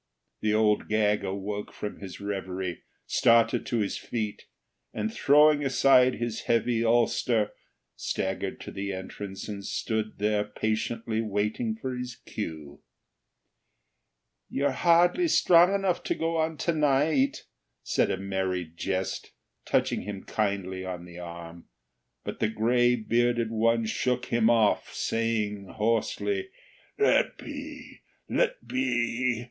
The Old Gag awoke from his reverie, started to his feet, and, throwing aside his heavy ulster, staggered to the entrance and stood there patiently waiting for his cue. "You're hardly strong enough to go on to night," said a Merry Jest, touching him kindly on the arm; but the gray bearded one shook him off, saying hoarsely: "Let be! Let be!